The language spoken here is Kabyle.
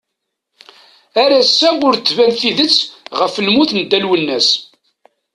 Ar ass-a ur d-tban tidett ɣef lmut n Dda Lwennas.